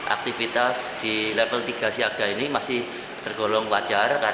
aktivitas di level tiga siaga ini masih tergolong wajar